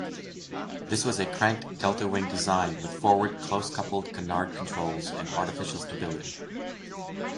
This was a cranked delta wing design with forward close-coupled-canard controls and artificial stability.